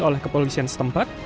oleh kepolisian setempat